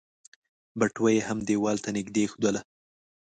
بټوه يې هم ديوال ته نږدې ايښودله.